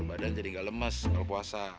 badan jadi gak lemes kalo puasa